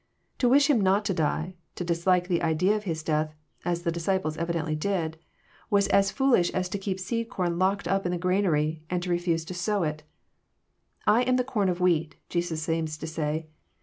To wish Him not to die, to dislike the idea of His death, (as the disciples evidently did,) was as foolish as to keep seed corn locked up in the granary, and to refbse to sow it. ''I am the com of wheat," Jesus seems to say.